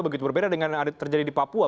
begitu berbeda dengan yang terjadi di papua